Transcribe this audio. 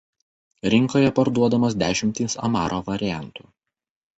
Rinkoje parduodamos dešimtys amaro variantų.